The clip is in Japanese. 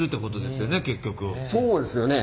そうですよね。